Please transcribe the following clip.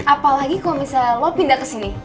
apalagi kalau misalnya lo pindah kesini